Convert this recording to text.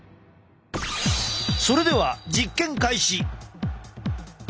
それでは実験開始！